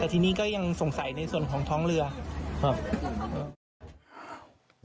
แต่ทีนี้ก็ยังสงสัยในส่วนของท้องเรือครับ